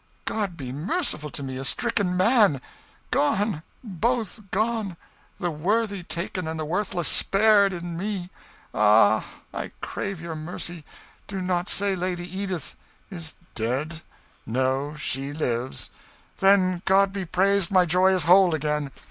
"God be merciful to me, a stricken man! Gone, both gone the worthy taken and the worthless spared, in me! Ah! I crave your mercy! do not say the Lady Edith " "Is dead? No, she lives." "Then, God be praised, my joy is whole again!